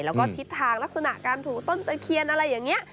แล้วก็ทิศทางลักษณะการถูต้นตะเคียนอะไรอย่างนี้